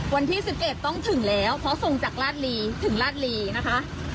วันที่สิบเอ็ดต้องถึงแล้วเพราะส่งจากราศรีถึงราศรีนะคะ